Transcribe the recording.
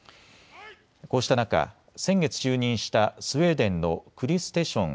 こうした中、先月就任したスウェーデンのクリステション